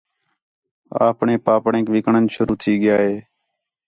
آپݨے پاپڑینک وِکݨ شروع تھی ڳِیا ہے